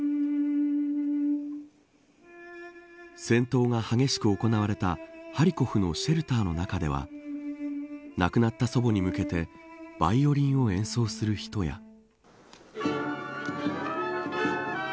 戦闘が激しく行われたハリコフのシェルターの中では亡くなった祖母に向けてバイオリンを演奏する人や。